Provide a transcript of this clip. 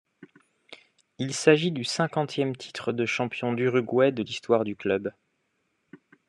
Il s’agit du cinquantième titre de champion d'Uruguay de l’histoire du club.